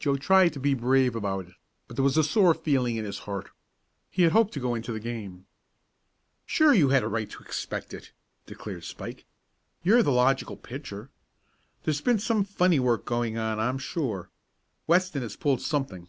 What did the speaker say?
Joe tried to be brave about it, but there was a sore feeling in his heart. He had hoped to go into the game. "Sure you had a right to expect it!" declared Spike. "You're the logical pitcher. There's been some funny work going on, I'm sure. Weston has pulled off something."